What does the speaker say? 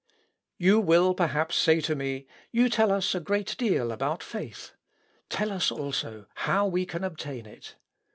"You will perhaps say to me, You tell us a great deal about faith. Tell us, also, how we can obtain it.